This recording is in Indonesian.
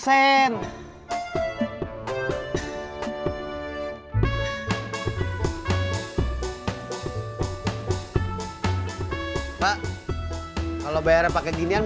mainnya sama saya aja ya enak aja taste lagi mainkang